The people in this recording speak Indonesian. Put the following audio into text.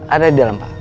ada di dalam pak